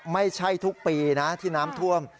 ไม่ใช่ทุกปีนะที่น้ำท่วม